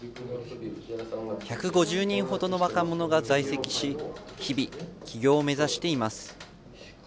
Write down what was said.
１５０人ほどの若者が在籍し、日々、起業を目指しています。